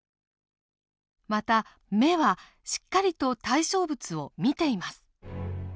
また目はしっかりと対象物を見ています。